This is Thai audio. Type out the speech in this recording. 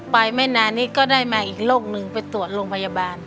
ไปตรวจโรงพยาบาล